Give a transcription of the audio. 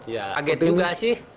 ya aget juga sih